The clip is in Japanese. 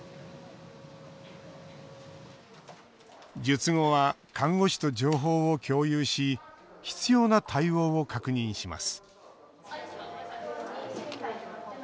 術後は看護師と情報を共有し必要な対応を確認します